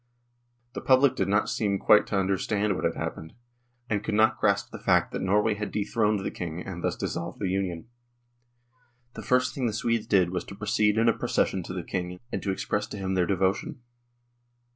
The public did not seem quite to understand what had happened, and could not grasp the fact that Norway had dethroned the King and thus dissolved the Union. The first thing the Swedes did was to proceed in a procession to the King and to express to him their devotion.